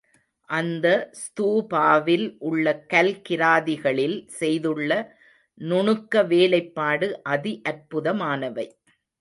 அந்த ஸ்தூபாவில் உள்ள கல் கிராதிகளில் செய்துள்ள நுணுக்க வேலைப்பாடு அதி அற்புதமானவை.